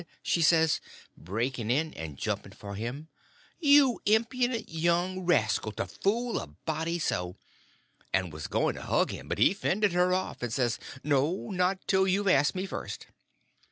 she says, breaking in and jumping for him, "you impudent young rascal, to fool a body so—" and was going to hug him, but he fended her off, and says: "No, not till you've asked me first."